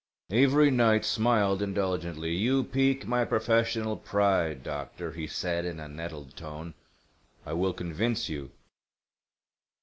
Avery Knight smiled indulgently. "You pique my professional pride, doctor," he said in a nettled tone. "I will convince you."